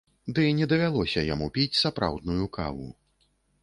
Ды не давялося яму піць сапраўдную каву.